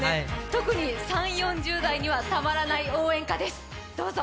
特に３０４０代にはたまらない応援歌です、どうぞ。